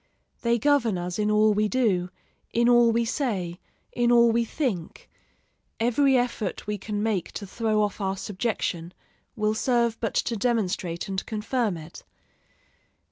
They govern us in all we do, in all we say, in all we think; every effort we can make to throw off our subjection will serve but to demonstrate and confirm it.